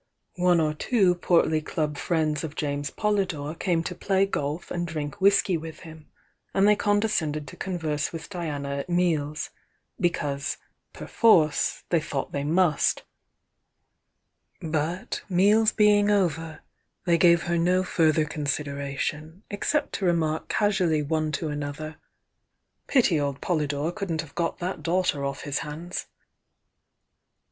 One or two portly club friends of James Polydore came to play golf and drink whisky with him, and they condescended to converse with Diana at meals, because, perforce, they thought they must,— but meals being over, they gave her no further consider ation, except to remark casually one to another: "Pity old Polydore couldn't have got that daugh ter off his hands!"